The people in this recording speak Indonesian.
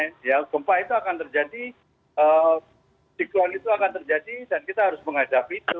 sehingga gempa itu akan terjadi siklon itu akan terjadi dan kita harus menghadapi itu